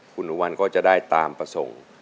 คุณอุวันก็จะได้ตามประสงค์